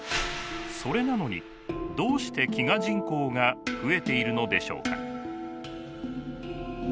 それなのにどうして飢餓人口が増えているのでしょうか？